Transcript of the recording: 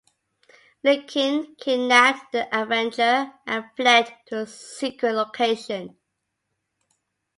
Lincoln kidnapped the Avenger and fled to a secret location.